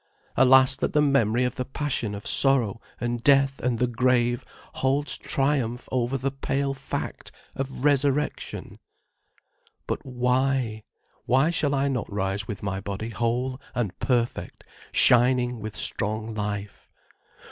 Alas, that the memory of the passion of Sorrow and Death and the Grave holds triumph over the pale fact of Resurrection! But why? Why shall I not rise with my body whole and perfect, shining with strong life?